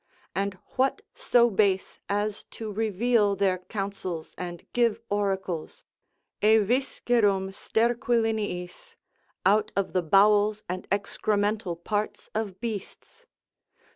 And what so base as to reveal their counsels and give oracles, e viscerum sterquiliniis, out of the bowels and excremental parts of beasts?